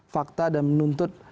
fakta dan menuntut